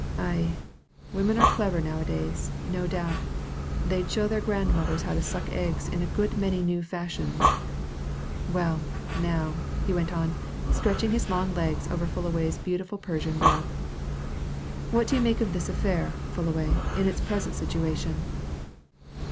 "Aye, women are clever nowadays, no doubt they'd show their grandmothers how to suck eggs in a good many new fashions. Well, now," he went on, stretching his long legs over Fullaway's beautiful Persian rug, "what do you make of this affair, Fullaway, in its present situation?